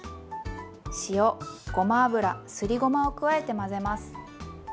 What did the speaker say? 塩ごま油すりごまを加えて混ぜます。